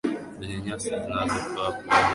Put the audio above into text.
zenye nyasi zinazofaa kwa malisho ya mifugo